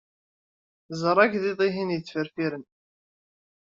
Ẓer agḍiḍ-ihin yettferfiren.